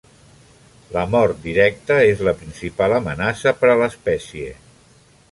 La mort directa és la principal amenaça per a l'espècie.